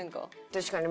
確かに。